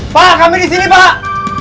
pak kami disini pak